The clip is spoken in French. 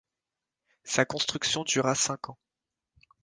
Sa construction dura cinq ans.